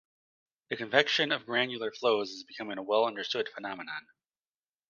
The convection of granular flows is becoming a well-understood phenomenon.